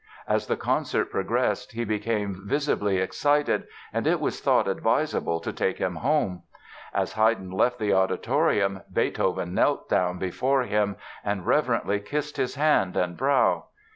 As the concert progressed he became visibly excited and it was thought advisable to take him home. As Haydn left the auditorium Beethoven knelt down before him and reverently kissed his hand and brow.